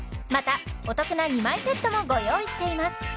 またお得な２枚セットもご用意しています